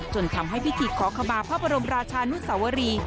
จนทำให้พิธีขอขมาพระบรมราชานุสวรี